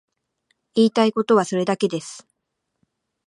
言いたいことはそれだけです。